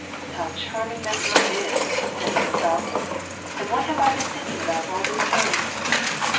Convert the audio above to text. "How charming that girl is!" said he to himself. "And what have I been thinking about all this time